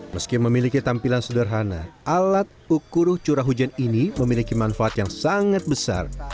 meski memiliki tampilan sederhana alat ukur curah hujan ini memiliki manfaat yang sangat besar